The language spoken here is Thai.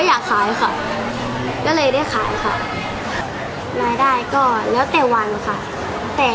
ทำแค่อย่างราคา